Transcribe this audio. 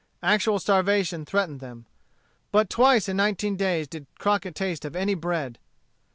Actual starvation threatened them. But twice in nineteen days did Crockett Taste of any bread.